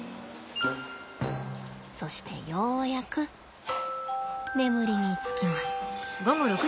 そしてようやく眠りにつきます。